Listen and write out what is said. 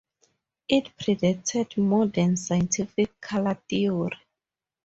It predated modern scientific color theory.